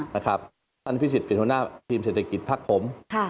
ท่านพิสิทธิเป็นหัวหน้าทีมเศรษฐกิจภักดิ์ผม